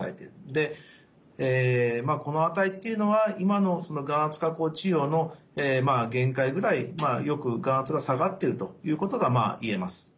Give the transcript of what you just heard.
でこの値っていうのは今の眼圧下降治療の限界ぐらいよく眼圧が下がっているということが言えます。